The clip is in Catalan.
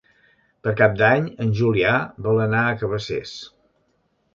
Per Cap d'Any en Julià vol anar a Cabacés.